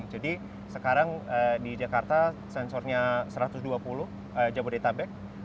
jadi sekarang di jakarta sensornya satu ratus dua puluh jabodetabek